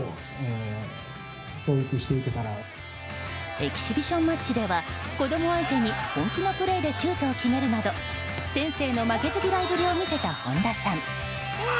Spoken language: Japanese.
エキシビションマッチでは子供相手に本気のプレーでシュートを決めるなど天性の負けず嫌いぶりを見せた本田さん。